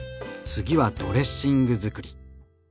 次はドレッシングづくり。